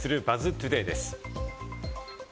トゥデイです。